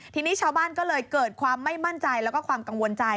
ทีนี้ชาวบ้านก็เลยเกิดความไม่มั่นใจแล้วก็ความกังวลใจ